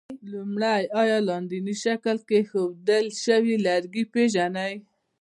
لومړی: آیا لاندیني شکل کې ښودل شوي لرګي پېژنئ؟